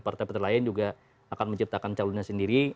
partai partai lain juga akan menciptakan calonnya sendiri